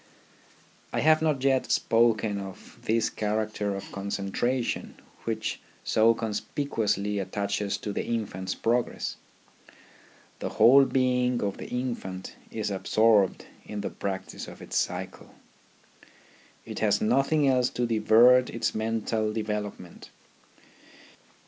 I have not yet spoken of this character of con centration which so conspicuously attaches to the infant's progress. The whole being of the 16 THE RHYTHM OF EDUCATION infant is absorbed in the practice of its cycle. It has nothing else to divert its mental development.